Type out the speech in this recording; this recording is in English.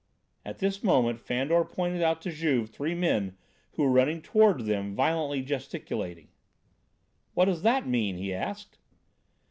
At this moment Fandor pointed out to Juve three men who were running toward them, violently gesticulating. "What does that mean?" he asked.